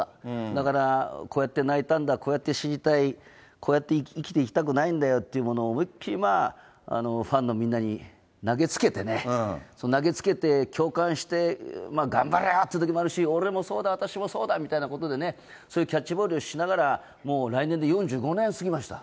だからこうやって泣いたんだ、こうやって死にたい、こうやって生きていきたくないんだよっていうのを、思いっ切り、ファンのみんなに投げつけてね、投げつけて共感して、頑張れよっていうときもあるし、俺もそうだ、私もそうだみたいなことでね、そういうキャッチボールをしながら、もう来年で４５年過ぎました。